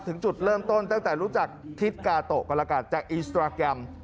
ถึงจุดเริ่มต้นตั้งแต่รู้จักทิศกาโตะกรกาศจากอินสตราแกรม